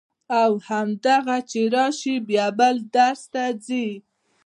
او هغه چې راشي بیا دا بل درس ته ځي.